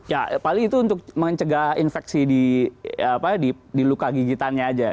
ya paling itu untuk mencegah infeksi di luka gigitannya aja